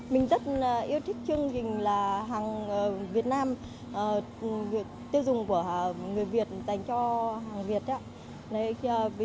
mình rất yêu thích chương trình là hàng việt nam tiêu dùng của người việt dành cho hàng việt